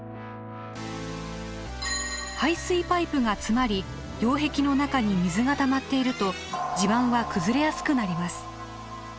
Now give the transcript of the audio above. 排水パイプが詰まり擁壁の中に水がたまっていると地盤は崩れやすくなります。